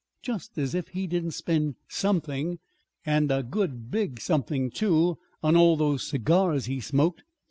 Just as if he didn't spend something and a good big something, too! on all those cigars he smoked.